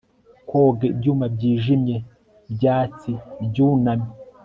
koga ibyuma byijimye byatsi byunamye